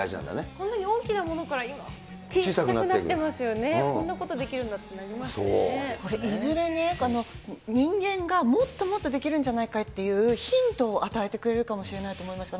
こんなに大きなものから、小っちゃくなってますよね、こんなことできるんだってなりまいずれね、人間がもっともっとできるんじゃないかっていうヒントを与えてくれるかもしれないと思いました。